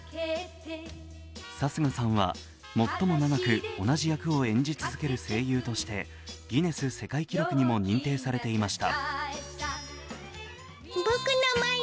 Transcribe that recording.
貴家さんは最も長く同じ役を演じ続ける声優としてギネス世界記録にも認定されていました。